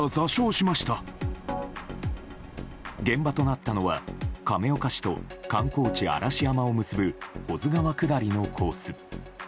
現場となったのは亀岡市と観光地・嵐山を結ぶ保津川下りのコース。